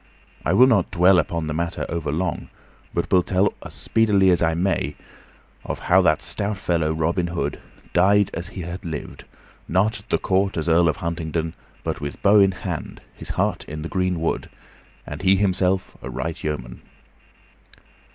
I will not dwell upon the matter overlong, but will tell as speedily as may be of how that stout fellow, Robin Hood, died as he had lived, not at court as Earl of Huntingdon, but with bow in hand, his heart in the greenwood, and he himself a right yeoman.